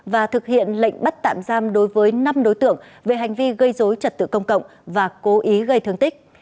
và thực hiện lệnh bắt tạm giam đối với năm đối tượng về hành vi gây dối trật tự công cộng và cố ý gây thương tích